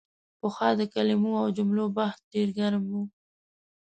پخوا د کلمو او جملو بحث ډېر ګرم و.